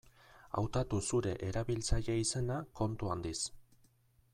Hautatu zure erabiltzaile-izena kontu handiz.